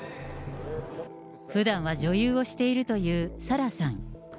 ふだんは女優をしているというサラさん。